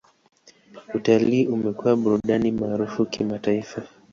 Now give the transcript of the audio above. Utalii umekuwa burudani maarufu kimataifa.